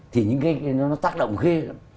thì những cái nó tác động ghê lắm